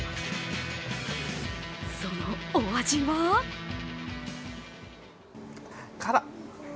そのお味は？辛っ！